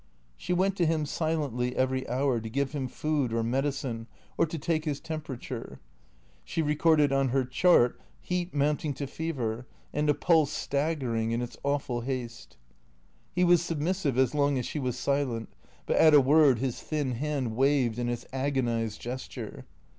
She went to him silently every hour to give him food or medi cine or to take his temperature. She recorded on her chart heat mounting to fever, and a pulse staggering in its awful haste. He was submissive as long as she was silent, but at a word his thin hand waved in its agonized gesture.